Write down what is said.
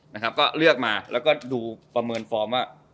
นะครับก็เลือกมาแล้วก็ดูประเมินฟอร์มว่า